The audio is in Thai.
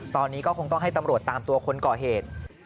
ตอนนี้ก็คงต้องให้ตำรวจตามตัวคนก่อเหตุ